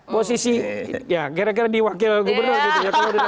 posisi ya kira kira di wakil gubernur gitu ya kalau udah dapet